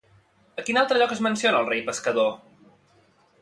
A quin altre lloc es menciona el rei pescador?